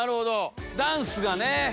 ダンスがね